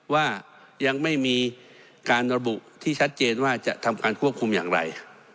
ว่ายังไม่มีการระบุที่ชัดเจนว่าจะทำการควบคุมอย่างไร